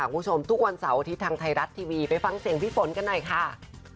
คุณผู้ชมทุกวันเสาร์อาทิตย์ทางไทยรัฐทีวีไปฟังเสียงพี่ฝนกันหน่อยค่ะ